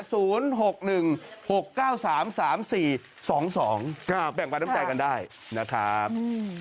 สนใจกันได้นะครับ